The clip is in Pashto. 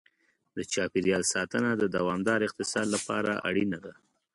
د چاپېریال ساتنه د دوامدار اقتصاد لپاره اړینه ده.